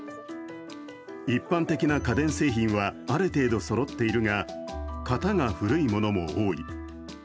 一般的な家電製品はある程度そろっているが、型が古いものも多い。